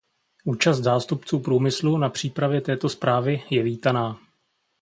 Účast zástupců průmyslu na přípravě této zprávy je vítaná.